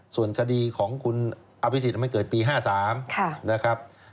ส่วนคดีของคุณอภิษฎมันเกิดปี๕๓นะครับ